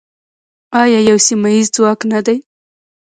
آیا یو سیمه ییز ځواک نه دی؟